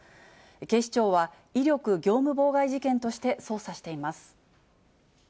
警視庁は、威力業務妨害事件として捜査しています。